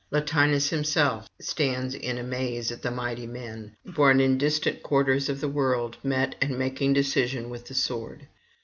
Latinus himself stands in amaze at the mighty men, born in distant quarters of the world, met and making decision with the sword.